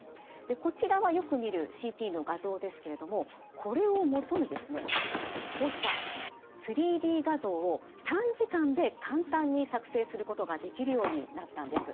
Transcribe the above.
こちらはよく見るＣＴの画像ですけれどもこれを基にですねこうした３Ｄ画像を短時間で簡単に作成することができるようになったんです。